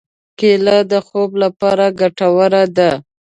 کېله د خوب لپاره ګټوره ده.